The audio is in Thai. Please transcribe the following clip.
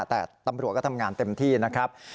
แต่ตำรวจก็ทำงานเต็มที่นะครับ